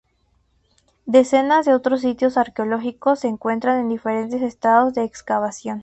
Decenas de otros sitios arqueológicos se encuentran en diferentes estados de excavación.